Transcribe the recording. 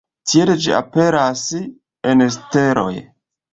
Tiel ĝi aperas en steloj.